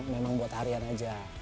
memang buat harian aja